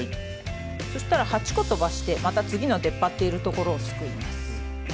そしたら８個とばしてまた次の出っ張っているところをすくいます。